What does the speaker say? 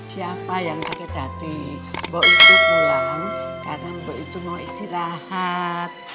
siapa yang sakit hati mbok itu pulang karena mbok itu mau istirahat